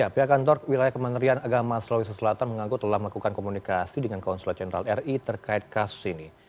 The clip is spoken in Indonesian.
pihak kantor wilayah kementerian agama sulawesi selatan mengaku telah melakukan komunikasi dengan konsulat jenderal ri terkait kasus ini